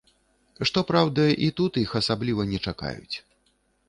Што праўда, і тут іх асабліва не чакаюць.